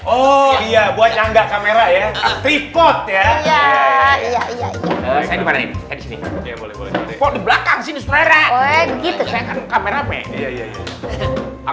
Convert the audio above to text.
oh iya buat yang gak kamera ya tripod ya